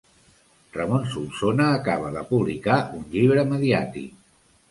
Ramon Solsona acaba de publicar un llibre mediàtic.